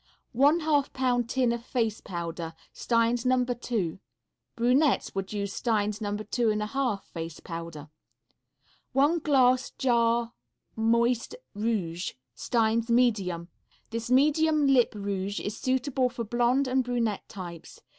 One half Pound Tin of Face Powder. Stein's No. 2. (Brunettes would use Stein's No. 2 1/2 face powder.) One Glass Jar Moist Rouge. Stein's medium. This medium lip rouge is suitable for blonde and brunette types.